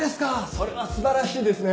それは素晴らしいですね。